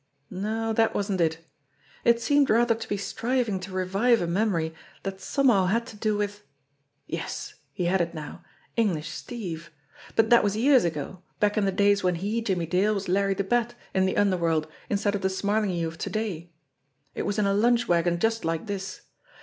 No, that wasn't it! It seemed rather to be striving to revive a memory that some how had to do with Yes, he had it now ! English Steve ! But that was years ago back in the days when he, Jimmie Dale, was Larry the Bat in the underworld instead of the Smarlinghue of to day. It was in a lunch wagon just like this.